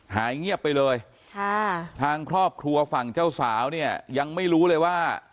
หายเงียบไปเลยค่ะทางครอบครัวฝั่งเจ้าสาวเนี่ยยังไม่รู้เลยว่า